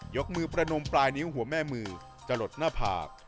กมือประนมปลายนิ้วหัวแม่มือจะหลดหน้าผาก